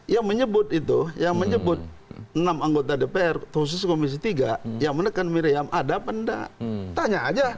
yang menyebut itu yang menyebut enam anggota dpr khusus komisi tiga yang menekan miriam ada apa enggak tanya aja